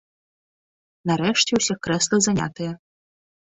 Нарэшце ўсе крэслы занятыя.